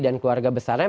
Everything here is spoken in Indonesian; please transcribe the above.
dan keluarga besarnya